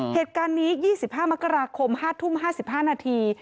เหตุการณ์นี้๒๕มกราคม๕ทุ่ม๕๕นาที